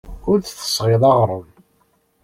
Ur d-tesɣiḍ aɣrum.